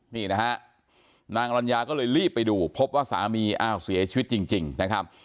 นี่นะฮะนางอรัญญาก็เลยรีบไปดูพบว่าสามีอ้าวเสียชีวิตจริงนะครับ